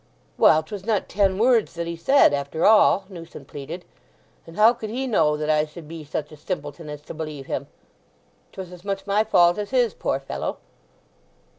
"Well, 'twas not ten words that he said, after all," Newson pleaded. "And how could he know that I should be such a simpleton as to believe him? 'Twas as much my fault as his, poor fellow!"